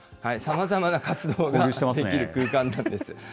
さまざまな活動ができる空間なんです。